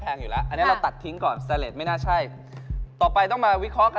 แต่เขานะเบิดเป็นสแตนเลสรีบไปเถอะค่ะ